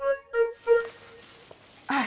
hari ini gue bosen liat orang lamun